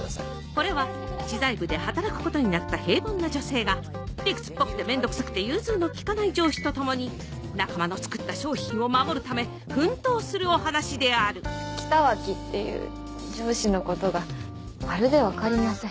これは知財部で働くことになった平凡な女性が理屈っぽくて面倒くさくて融通の利かない上司と共に仲間の作った商品を守るため奮闘するお話である北脇っていう上司のことがまるで分かりません。